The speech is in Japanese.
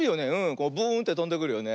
こうブーンってとんでくるよね。